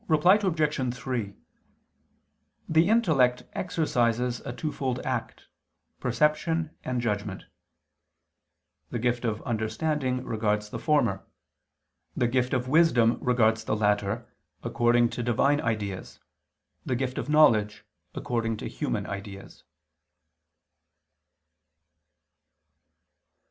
Reply Obj. 3: The intellect exercises a twofold act, perception and judgment. The gift of understanding regards the former; the gift of wisdom regards the latter according to the Divine ideas, the gift of knowledge, according to human ideas.